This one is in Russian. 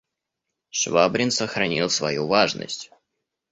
Швабрин сохранил свою важность.